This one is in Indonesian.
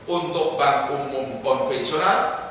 untuk bank umum konvensional